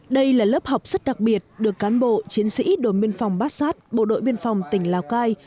đây là lớp học rất đặc biệt được cán bộ chiến sĩ đồn biên phòng bát sát bộ đội biên phòng tỉnh lào cai